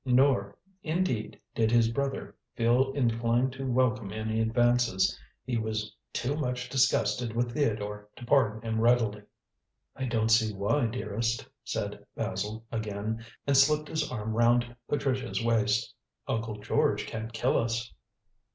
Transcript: Nor, indeed, did his brother feel inclined to welcome any advances. He was too much disgusted with Theodore to pardon him readily. "I don't see why, dearest," said Basil again, and slipped his arm round Patricia's waist. "Uncle George can't kill us."